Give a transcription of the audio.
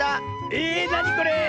えなにこれ⁉わあ！